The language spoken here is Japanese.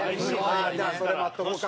ああじゃあそれ待っとこうか。